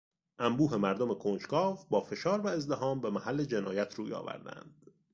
انبوه مردم کنجکاو با فشار و ازدحام به محل جنایت روی آوردند.